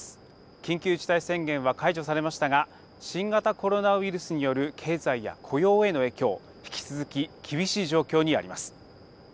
緊急事態宣言は解除されましたが新型コロナウイルスによる経済や雇用への影響引き続き厳しい状況にあります。